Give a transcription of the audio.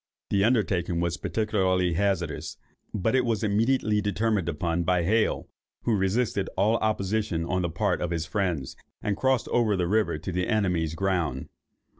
The undertaking was particularly hazardous; but it was immediately determined upon by Hale, who resisted all opposition on the part of his friends, and crossed over the river to the enemy's ground.